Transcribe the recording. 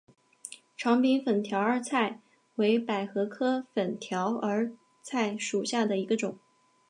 长柄粉条儿菜为百合科粉条儿菜属下的一个种。